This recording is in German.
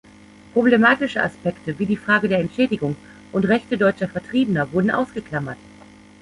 Problematische Aspekte, wie die Frage der Entschädigung und Rechte deutscher Vertriebener wurden ausgeklammert.